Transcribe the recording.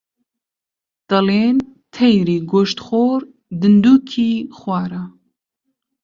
دەڵێن تەیری گۆشتخۆر دندووکی خوارە